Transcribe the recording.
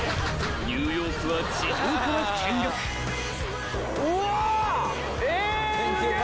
［ニューヨークは地上から見学］おっ！え！